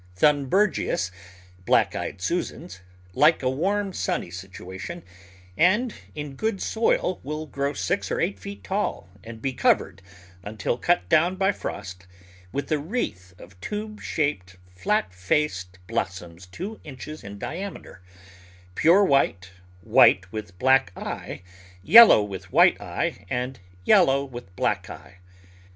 Digitized by Google 136 The Flower Garden [Chapter Thunbergias (Black eyed Susans) like a warm, sunny situation, and in good soil will grow six or eight feet tall and be covered, until cut down by frost, with a wreath of tube shaped, flat faced blossoms two inches in diameter — pure white, white with black eye, yellow with white eye, and yellow with black eye.